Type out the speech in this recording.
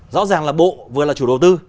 rõ ràng là bộ vừa là chủ đầu tư